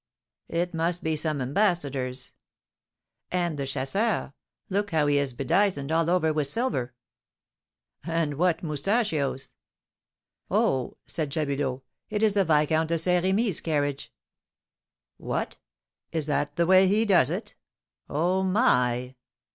"It must be some ambassador's." "And the chasseur, look how he is bedizened all over with silver!" "And what moustachios!" "Oh," said Jabulot, "it is the Viscount de Saint Remy's carriage!" "What! is that the way he does it? Oh, my!"